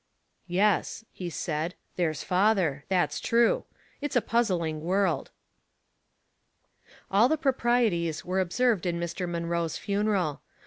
"Yes," he said, "there's father — that's true. It's a puzzling world." All the proprieties were observed in Mr. Mun roe's funeral.